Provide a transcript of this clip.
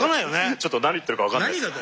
ちょっと何言ってるか分かんないっすね。